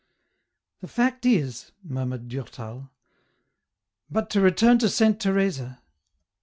" The fact is," murmured Durtal ..," but to return to Saint Teresa